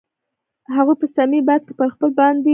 هغوی په صمیمي باد کې پر بل باندې ژمن شول.